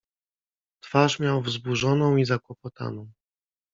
"Twarz miał wzburzoną i zakłopotaną."